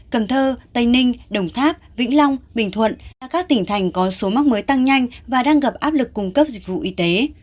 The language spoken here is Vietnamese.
cần thơ tây ninh đồng tháp vĩnh long bình thuận là các tỉnh thành có số mắc mới tăng nhanh và đang gặp áp lực cung cấp dịch vụ y tế